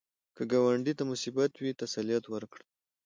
که ګاونډي ته مصیبت وي، تسلیت ورکړه